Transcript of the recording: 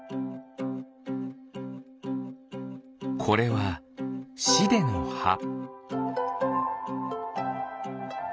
これはシデのは。